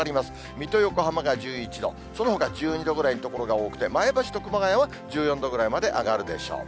水戸、横浜が１１度、そのほか１２度ぐらいの所が多くて、前橋と熊谷は１４度ぐらいまで上がるでしょう。